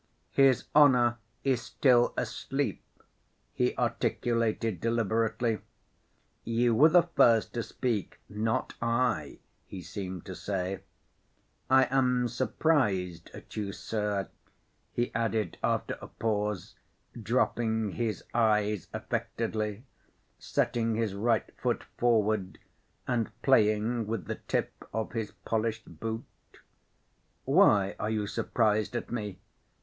"His honor is still asleep," he articulated deliberately ("You were the first to speak, not I," he seemed to say). "I am surprised at you, sir," he added, after a pause, dropping his eyes affectedly, setting his right foot forward, and playing with the tip of his polished boot. "Why are you surprised at me?"